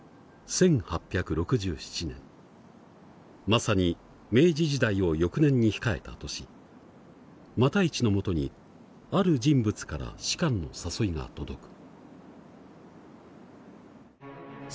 まさに明治時代を翌年に控えた年復一のもとにある人物から仕官の誘いが届く。